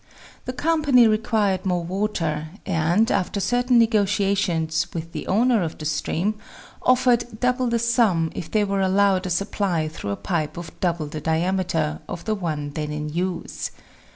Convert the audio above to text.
The company required more water, and after certain negotiations with the owner of the stream, offered double the sum if they were allowed a supply through a pipe of double the diameter of the one then in use.